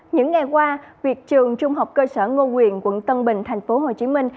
những ngày qua việc trường trung học cơ sở ngô quyền quận tân bình tp hcm